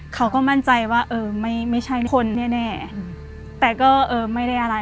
เขาก็มั่นใจว่าเออไม่ใช่คนแน่แต่ก็เออไม่ได้อะไร